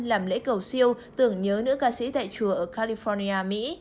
làm lễ cầu siêu tưởng nhớ nữ ca sĩ tại chùa ở california mỹ